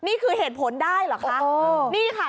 นี่คือเหตุผลได้หรอคะ